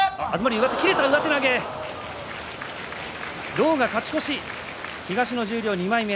狼雅は勝ち越し東十両２枚目。